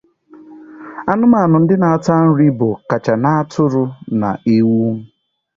Anụmanụ ndị na-ata nri bụ kacha na atụrụ na ewu.